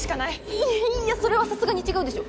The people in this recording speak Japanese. いやそれはさすがに違うでしょ。